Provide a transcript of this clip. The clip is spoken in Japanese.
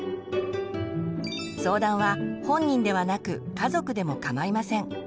相談は本人ではなく家族でもかまいません。